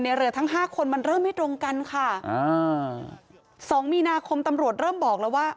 เรือทั้งห้าคนมันเริ่มไม่ตรงกันค่ะอ่าสองมีนาคมตำรวจเริ่มบอกแล้วว่า